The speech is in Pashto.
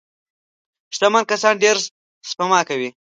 شتمن کسان ډېره سپما کوي.